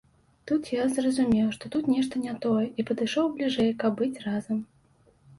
Тут я зразумеў, што тут нешта не тое і падышоў бліжэй, каб быць разам.